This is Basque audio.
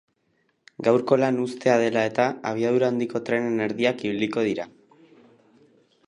Gaurko lan uztea dela eta, abiadura handiko trenen erdiak ibiliko dira.